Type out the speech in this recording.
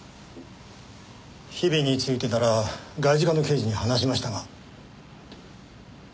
日比についてなら外事課の刑事に話しましたが。